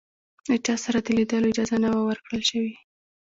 له چا سره د لیدلو اجازه نه وه ورکړل شوې.